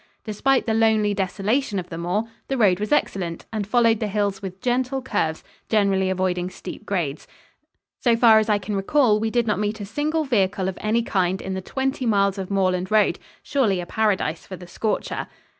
Despite the lonely desolation of the moor, the road was excellent, and followed the hills with gentle curves, generally avoiding steep grades. So far as I can recall, we did not meet a single vehicle of any kind in the twenty miles of moorland road surely a paradise for the scorcher.